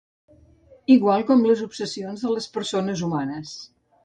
Igual com les obsessions de les persones humanes.